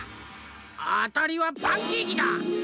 あたりはパンケーキだ！